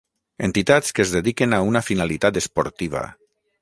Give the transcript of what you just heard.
Entitats que es dediquen a una finalitat esportiva.